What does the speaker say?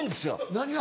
何が？